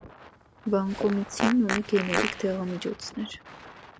Վանկոմիցինն ունի գեներիկ դեղամիջոցներ։